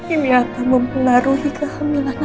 ini akan mempelaruhi kehamilan aku ma